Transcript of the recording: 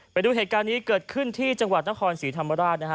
ไปดูเหตุการณ์นี้เกิดขึ้นที่จังหวัดนครศรีธรรมราชนะฮะ